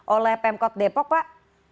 oleh pemkot depok pak